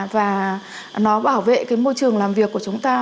và nó bảo vệ cái môi trường làm việc của chúng ta